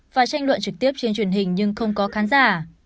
và tranh luận trực tiếp trên truyền hình nhưng không có khán giả